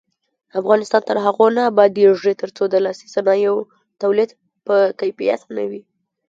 افغانستان تر هغو نه ابادیږي، ترڅو د لاسي صنایعو تولید په کیفیت نه وي.